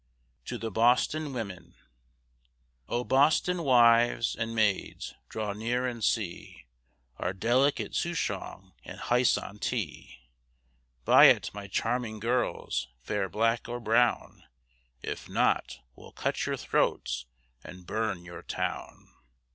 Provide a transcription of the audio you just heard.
TO THE BOSTON WOMEN O Boston wives and maids, draw near and see Our delicate Souchong and Hyson tea, Buy it, my charming girls, fair, black, or brown, If not, we'll cut your throats, and burn your town.